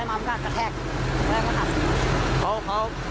อยากกระแทก